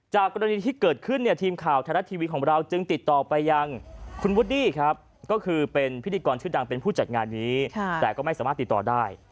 กรณีที่เกิดขึ้นเนี่ยทีมข่าวไทยรัฐทีวีของเราจึงติดต่อไปยังคุณวูดดี้ครับก็คือเป็นพิธีกรชื่อดังเป็นผู้จัดงานนี้แต่ก็ไม่สามารถติดต่อได้